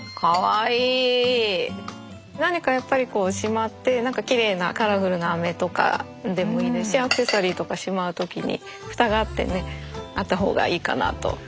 何かやっぱりこうしまってきれいなカラフルな飴とかでもいいですしアクセサリーとかしまう時にフタがあってねあった方がいいかなと。